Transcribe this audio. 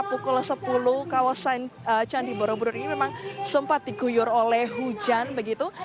pukul sepuluh kawasan candi borobudur ini memang sempat diguyur oleh hujan begitu